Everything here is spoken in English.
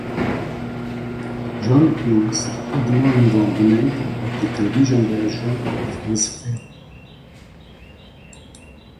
John Hughes had no involvement with the television version of his film.